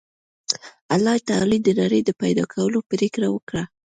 الله تعالی د نړۍ د پیدا کولو پرېکړه وکړه